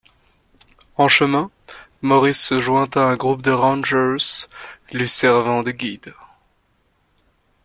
En chemin, Morris se joint à un groupe de rangers lui servant de guide.